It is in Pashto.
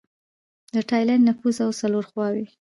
د ټایلنډ نفوس او څلور خواووې